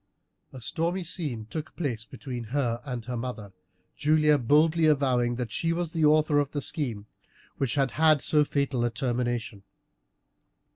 A stormy scene took place between her and her mother, Julia boldly avowing that she was the author of the scheme which had had so fatal a termination.